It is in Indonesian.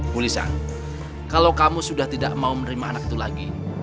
bu lisan kalau kamu sudah tidak mau menerima anak itu lagi